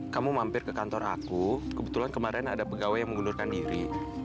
kamu mampir ke kantor aku kebetulan kemarin ada pegawai yang mengundurkan diri